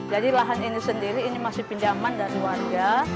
jadi lahan ini sendiri ini masih pinjaman dari warga